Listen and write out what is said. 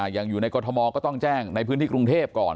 อย่างอยู่ในกรทมก็ต้องแจ้งในพื้นที่กรุงเทพก่อน